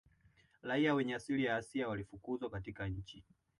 Raia wenye asili ya Asia walifukuzwa katika nchi